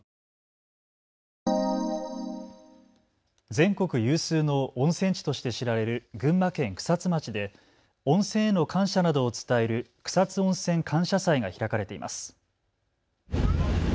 全国有数の温泉地として知られる群馬県草津町で温泉への感謝などを伝える草津温泉感謝祭が開かれています。